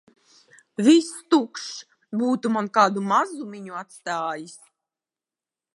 Viss tukšs. Būtu man kādu mazumiņu atstājis!